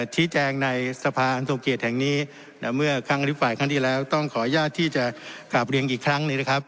ชี้แจงในสภาอันทรงเกียจแห่งนี้เมื่อครั้งอภิปรายครั้งที่แล้วต้องขออนุญาตที่จะกลับเรียนอีกครั้งหนึ่งนะครับ